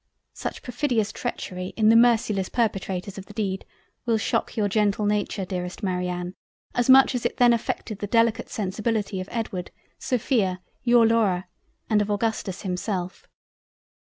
Such perfidious Treachery in the merciless perpetrators of the Deed will shock your gentle nature Dearest Marianne as much as it then affected the Delicate sensibility of Edward, Sophia, your Laura, and of Augustus himself.